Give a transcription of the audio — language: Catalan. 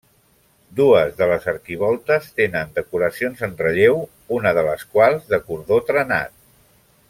Dues de les arquivoltes tenen decoracions en relleu, una de les quals de cordó trenat.